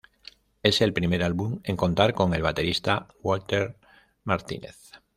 Es el primer álbum en contar con el baterista Walter Martínez.